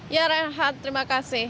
ya rehat terima kasih